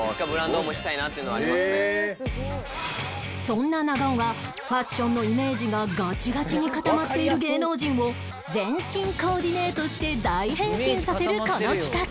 そんな長尾がファッションのイメージがガチガチに固まっている芸能人を全身コーディネートして大変身させるこの企画